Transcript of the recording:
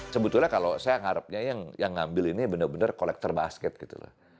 sebetulnya kalau saya harapnya yang ngambil ini benar benar kolektor basket gitu